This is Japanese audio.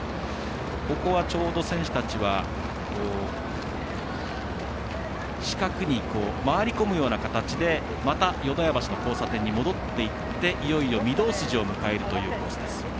ここはちょうど選手たちは四角に回り込むような形でまた、淀屋橋の交差点に戻っていっていよいよ御堂筋を迎えるというコースです。